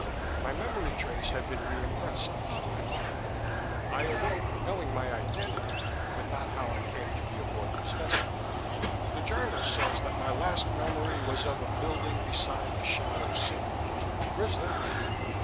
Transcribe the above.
My memory trace had been re impressed on my mind. I awoke knowing my identity, but not how I came to be aboard this vessel. The journal says that my last memory was of a building beside the Shallow Sea." "Where's that?"